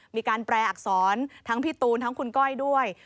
มีการแปลอักษรทั้งพี่ตูนทั้งคุณก้อยด้วย